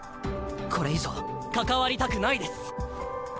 これ以上関わりたくないです。